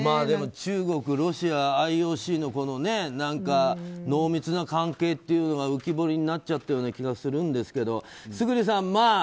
でも中国、ロシア、ＩＯＣの濃密な関係というのが浮き彫りになっちゃったような気がするんですけど村主さん